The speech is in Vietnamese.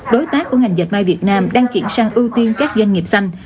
đối tác của ngành dệt may việt nam đang chuyển sang ưu tiên các doanh nghiệp xanh